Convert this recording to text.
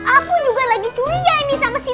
aku juga lagi curia ini sama si